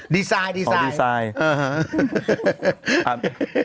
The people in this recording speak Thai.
ดีไซน์ดีไซน์